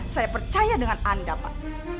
saya percaya dengan anda pak